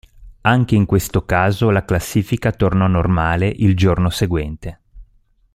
Anche in questo caso la classifica tornò normale il giorno seguente.